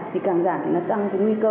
thì càng giảm nó tăng cái nguy cơ